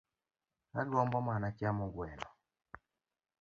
Agombo mana chamo gweno